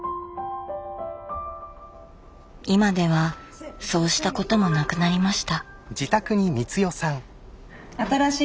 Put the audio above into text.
今ではそうしたこともなくなりました。